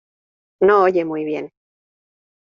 No oye muy bien.